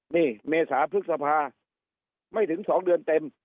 นี่เมษาพฤษภาไม่ถึง๒เดือนเต็ม